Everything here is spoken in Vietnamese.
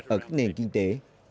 ở các nền kinh tế